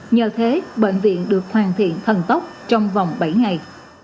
nhờ thế bệnh viện được hoàn thiện thần tốc trong vòng bảy ngày